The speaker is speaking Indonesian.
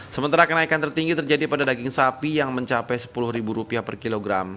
sementara kenaikan tertinggi terjadi pada daging sapi yang mencapai rp sepuluh per kilogram